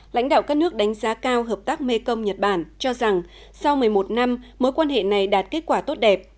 lãnh đạo các nước đánh giá cao hợp tác mekong nhật bản cho rằng sau một mươi một năm mối quan hệ này đạt kết quả tốt đẹp